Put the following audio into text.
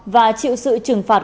và chịu sự trừng phạt